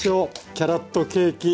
キャロットケーキ